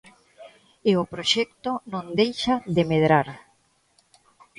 E o proxecto non deixa de medrar.